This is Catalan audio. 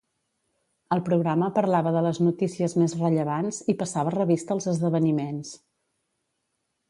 El programa parlava de les notícies més rellevants i passava revista als esdeveniments.